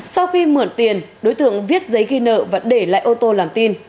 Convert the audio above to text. sau khi mượn tiền đối tượng viết giấy ghi nợ và để lại ô tô làm tin